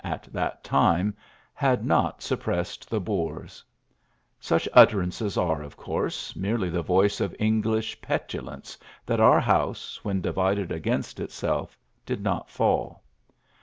^^ that time, had not suppressed the ]^o6 Such utterances are, of course^ JXXerei the voice of English petulance tha^ 014 house, when divided against itself dl^ not fall.